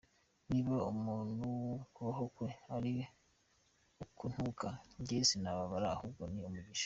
Niba umuntu kubaho kwe ari ukuntuka, njye sinababara ahubwo ni umugisha.